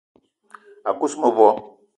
A kuz mevo